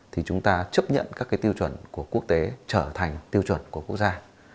thì chúng ta chấp nhận các cái tiêu chuẩn của quốc tế trở thành tiêu chuẩn của quốc gia